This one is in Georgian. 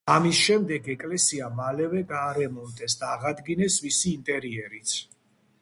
ამის შემდეგ ეკლესია მალევე გაარემონტეს და აღადგინეს მისი ინტერიერიც.